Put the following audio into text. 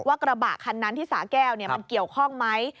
กระบะคันนั้นที่สาแก้วมันเกี่ยวข้องไหม